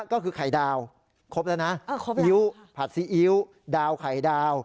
ก็คือไข่ดาวครบแล้วนะครบอิ๊วผัดซีอิ๊วดาวไข่ดาว